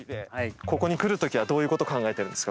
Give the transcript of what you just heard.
ここに来る時はどういうこと考えてるんですか？